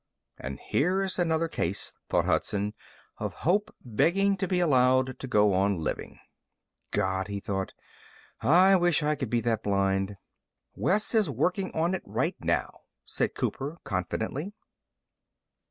And here's another case, thought Hudson, of hope begging to be allowed to go on living. God, he thought, I wish I could be that blind! "Wes is working on it right now," said Cooper confidently.